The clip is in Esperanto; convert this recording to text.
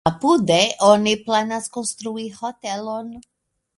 Apude oni planas konstrui hotelon.